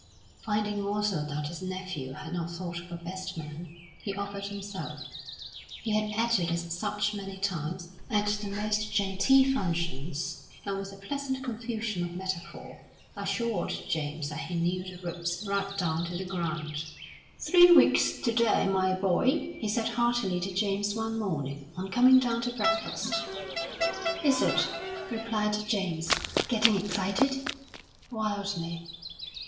Finding also that his nephew had not thought of a best man, he offered himself; he had acted as such many times at the most genteel functions; and with a pleasant confusion of metaphor, assured James that he knew the ropes right down to the ground. "Three weeks to day, my boy!" he said heartily to James one morning, on coming down to breakfast. "Is it?" replied James. "Getting excited?" "Wildly!"